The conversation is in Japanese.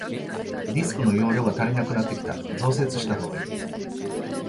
ディスクの容量が足りなくなってきた、増設したほうがいい。